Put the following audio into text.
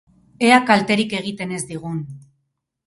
Ea kalterik egiten ez digun!